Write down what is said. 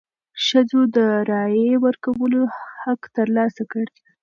ښځو د رایې ورکولو حق تر لاسه کړ.